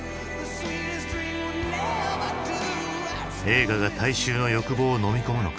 映画が大衆の欲望をのみ込むのか？